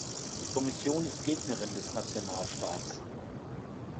Die Kommission ist Gegnerin des Nationalstaats.